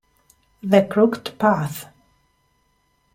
The Crooked Path